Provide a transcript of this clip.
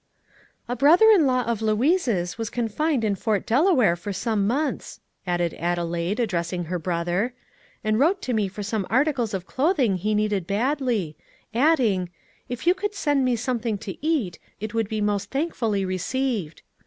"A brother in law of Louise's was confined in Fort Delaware for some months," said Adelaide, addressing her brother, "and wrote to me for some articles of clothing he needed badly, adding, 'If you could send me something to eat, it would be most thankfully received.'